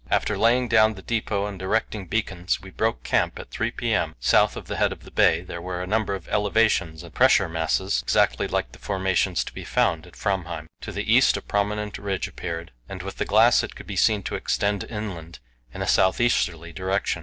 After laying down the depot and erecting beacons, we broke camp at 3 p.m. South of the head of the bay there were a number of elevations and pressure masses, exactly like the formations to be found about Framheim. To the east a prominent ridge appeared, and with the glass it could be seen to extend inland in a south easterly direction.